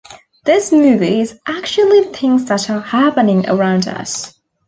This movie is actually things that are happening around us.